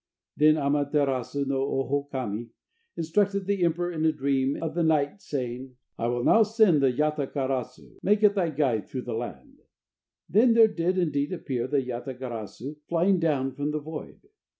Then Ama terasu no Oho Kami instructed the emperor in a dream of the night saying: "I will now send the Yata garasu, make it thy guide through the land." Then there did indeed appear the Yata garasu flying down from the void.